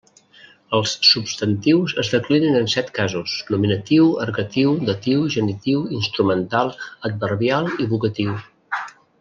Els substantius es declinen en set casos: nominatiu, ergatiu, datiu, genitiu, instrumental, adverbial i vocatiu.